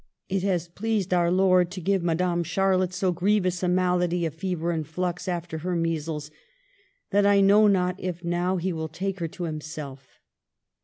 '' It has pleased our Lord to give Madame Char lotte so grievous a malady of fever and flux after her measles, that I know not if now He will take her to Himself."